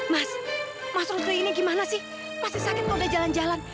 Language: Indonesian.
mas mas rudri ini gimana sih masih sakit kalau udah jalan jalan